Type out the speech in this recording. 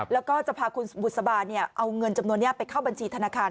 แล้วก็จะพาคุณบุษบาลเอาเงินจำนวนนี้ไปเข้าบัญชีธนาคาร